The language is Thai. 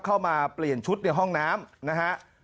เข้ามาเปลี่ยนชุดในห้องน้ำนะฮะ